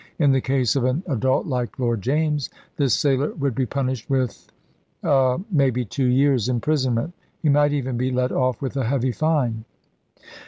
In the case of an adult like Lord James this sailor would be punished with er maybe two years' imprisonment. He might even be let off with a heavy fine."